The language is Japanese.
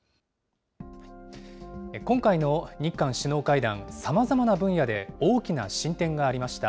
今回の日韓首脳会談、さまざまな分野で大きな進展がありました。